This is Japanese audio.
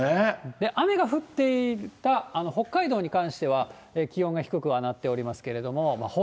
雨が降っていた北海道に関しては、気温が低くはなっております